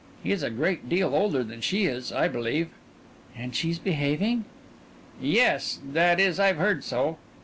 He's a great deal older than she is, I believe." "And she's behaving?" "Yes that is, I've heard so.